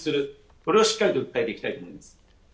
これをしっかりと訴えていきたいと思います。